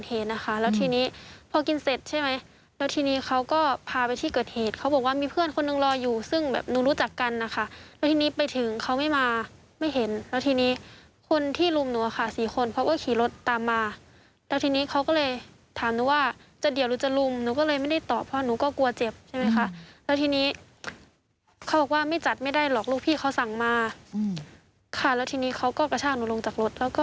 เหตุนะคะแล้วทีนี้พอกินเสร็จใช่ไหมแล้วทีนี้เขาก็พาไปที่เกิดเหตุเขาบอกว่ามีเพื่อนคนหนึ่งรออยู่ซึ่งแบบหนูรู้จักกันนะคะแล้วทีนี้ไปถึงเขาไม่มาไม่เห็นแล้วทีนี้คนที่รุมหนูอะค่ะสี่คนเขาก็ขี่รถตามมาแล้วทีนี้เขาก็เลยถามหนูว่าจะเดี่ยวหรือจะลุมหนูก็เลยไม่ได้ตอบเพราะหนูก็กลัวเจ็บใช่ไหมคะแล้วทีนี้เขาบอกว่าไม่จัดไม่ได้หรอกลูกพี่เขาสั่งมาค่ะแล้วทีนี้เขาก็กระชากหนูลงจากรถแล้วก็